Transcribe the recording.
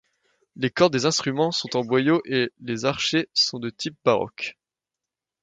Les cordes des instruments sont en boyau et les archets sont de type baroque.